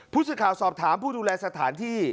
ผู้สื่อข่าวสอบถามผู้ดูแลสถานที่